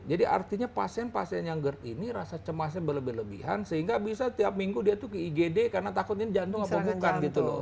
jadi artinya pasien pasien yang gerd ini rasa cemasnya berlebihan sehingga bisa tiap minggu dia tuh ke igd karena takut ini jantung apa bukan gitu loh